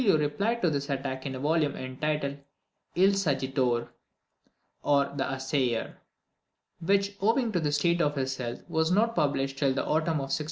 Galileo replied to this attack in a volume entitled Il Saggiatore, or The Assayer, which, owing to the state of his health, was not published till the autumn of 1623.